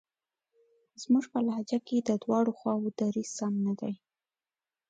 زموږ په لهجه کې د دواړو خواوو دریځ سم نه دی.